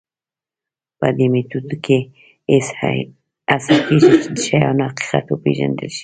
په دې میتود کې هڅه کېږي د شیانو حقیقت وپېژندل شي.